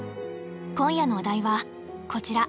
今夜のお題はこちら。